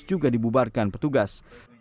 juga dibubarkan petugas